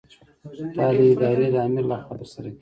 دا د ادارې د آمر له خوا ترسره کیږي.